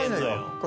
これ！